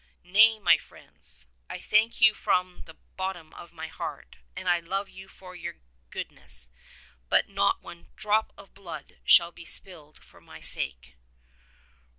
"Nay, my friends, I thank you from the bot tom of my heart, and T love you for your goodness; but not one drop of blood shall be spilled for my sake."